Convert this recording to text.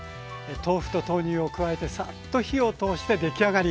豆腐と豆乳を加えてさっと火を通して出来上がり。